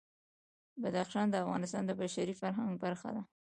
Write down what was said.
بدخشان د افغانستان د بشري فرهنګ برخه ده.